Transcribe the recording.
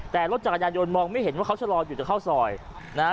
แต่รถจักรยานยนต์มองไม่เห็นว่าเขาชะลออยู่จะเข้าซอยนะฮะ